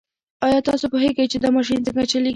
ایا تاسو پوهېږئ چې دا ماشین څنګه چلیږي؟